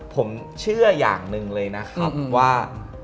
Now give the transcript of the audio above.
ผมเชื่ออย่างหนึ่งเลยนะครับว่า